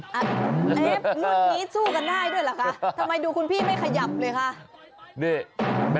เอฟรุ่นนี้สู้กันได้ด้วยเหรอคะทำไมดูคุณพี่ไม่ขยับเลยค่ะ